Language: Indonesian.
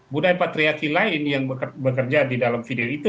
budaya patriarki lain yang bekerja di dalam video itu